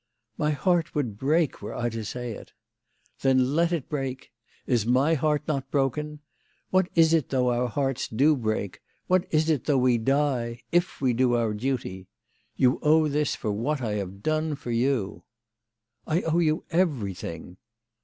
" My heart would break were I to say it." " Then let it break ! Is my heart not broken ? What is it though our hearts do break, what is it though we die, if we do our duty ? You owe this for what I have done for you." " I owe you everything."